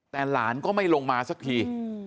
แต่หลานก็ไม่ลงมาสักที